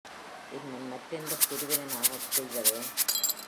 இன்னும் மற்றெந்தப் பிரிவினனாகச் செய்வது?